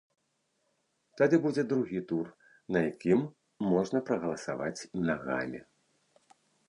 Тады будзе другі тур, на якім можна прагаласаваць нагамі.